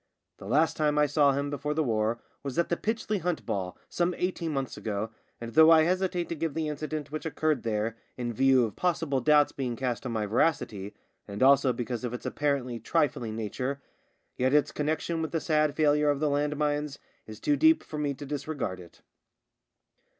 The last time I saw him before the war was at the Pytchley Hunt ball some eighteen months ago, and though I hesitate to give the incident which occurred there in view of possible doubts being cast on my veracity, and also because of its apparently trifling nature, yet its connection with the sad failure of the land mines is too deep for me to dis regard it.